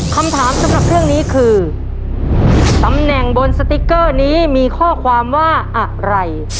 คำถามสำหรับเรื่องนี้คือตำแหน่งบนสติ๊กเกอร์นี้มีข้อความว่าอะไร